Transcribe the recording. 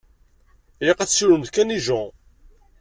Ilaq ad siwlemt kan i Jean.